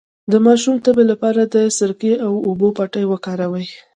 د ماشوم د تبې لپاره د سرکې او اوبو پټۍ وکاروئ